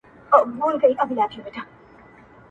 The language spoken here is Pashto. • پر مخ لاسونه په دوعا مات کړي,